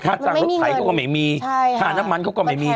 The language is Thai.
จ้างรถไถเขาก็ไม่มีค่าน้ำมันเขาก็ไม่มี